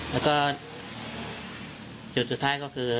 แล้วก็จุดสุดท้ายก็คือ